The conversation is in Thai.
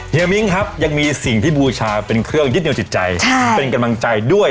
มิ้งครับยังมีสิ่งที่บูชาเป็นเครื่องยึดเหนียวจิตใจเป็นกำลังใจด้วย